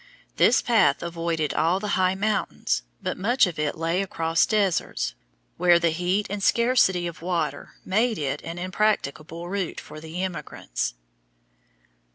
This path avoided all the high mountains, but much of it lay across deserts, where the heat and scarcity of water made it an impracticable route for the emigrants.